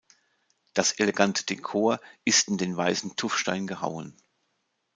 Das elegante Dekor ist in den weißen Tuffstein gehauen.